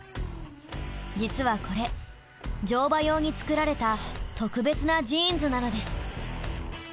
実はこれ乗馬用に作られた特別なジーンズなのです。